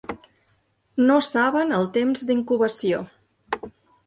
No saben el temps d'incubació.